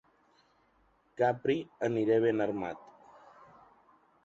Capri aniré ben armat.